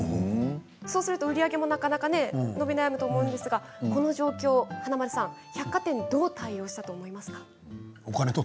そうすると売り上げもなかなか伸び悩むと思うんですがこの状況、華丸さん、百貨店どう対応したと思いますか？